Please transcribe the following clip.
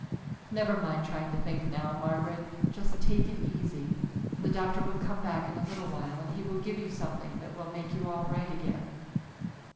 "Never mind trying to think now, Margaret. Just take it easy. The doctor will come back in a little while and he will give you something that will make you all right again."